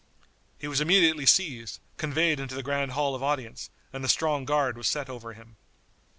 He was immediately seized, conveyed into the grand hall of audience, and a strong guard was set over him.